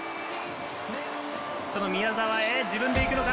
その宮澤へ、自分でいくのか？